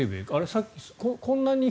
さっきこんなに。